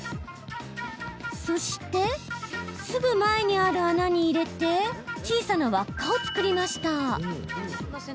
そしてすぐ前にある穴に入れて小さな輪っかを作りました！